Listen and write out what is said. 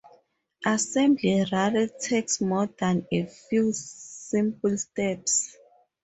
Assembly rarely takes more than a few simple steps.